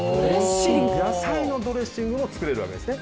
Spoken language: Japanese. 野菜のドレッシングも作れるわけですね。